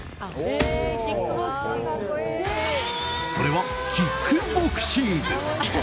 それは、キックボクシング。